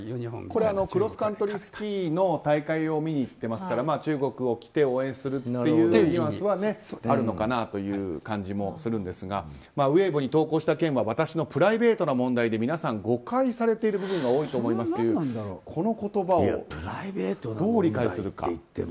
クロスカントリースキーの大会を見に行っていますから中国を着て応援するニュアンスはあるのかなという感じもするんですがウェイボーに投稿した件は私のプライベートな問題で皆さん、誤解されている部分が多いと思いますというこの言葉をどう理解するか。